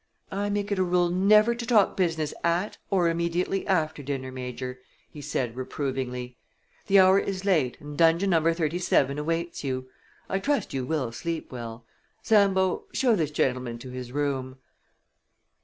"I make it a rule never to talk business at or immediately after dinner, Major," he said, reprovingly. "The hour is late and dungeon number thirty seven awaits you. I trust you will sleep well. Sambo, show this gentleman to his room."